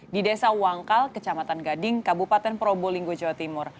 di desa wangkal kecamatan gading kabupaten probolinggo jawa timur